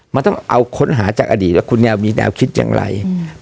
มันต้องเอาค้นหาจากอดีตว่าคุณแนวมีแนวคิดอย่างไร